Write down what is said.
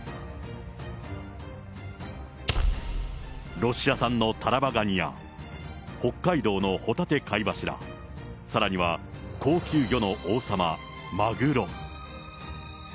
ロシア産のタラバガニや、北海道のホタテ貝柱、さらには高級魚の王様、マグロ。